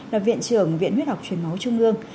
là viện trưởng viện huyết học truyền máu trung ương